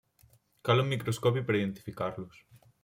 Cal un microscopi per identificar-los.